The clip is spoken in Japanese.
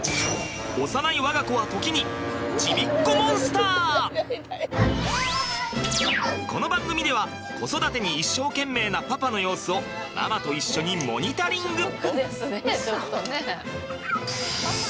幼い我が子は時にこの番組では子育てに一生懸命なパパの様子をママと一緒にモニタリング！